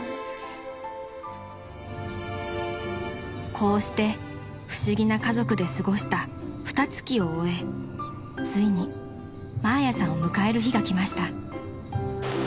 ［こうして不思議な家族で過ごしたふたつきを終えついにマーヤさんを迎える日が来ました］